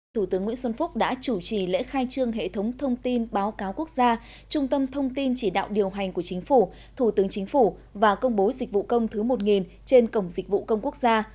thủ tướng nguyễn xuân phúc đã chủ trì lễ khai trương hệ thống thông tin báo cáo quốc gia trung tâm thông tin chỉ đạo điều hành của chính phủ thủ tướng chính phủ và công bố dịch vụ công thứ một trên cổng dịch vụ công quốc gia